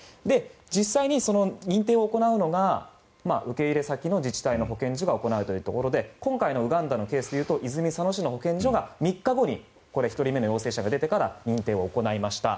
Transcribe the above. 実際に認定を行うのが受け入れ先の自治体の保健所が行うというところで今回のウガンダのケースで言うと泉佐野市の保健所が３日後に１人目の陽性者が出てから認定を行いました。